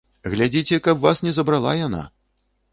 Глядзіце, каб вас не забрала яна!